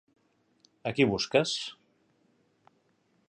A qui busques?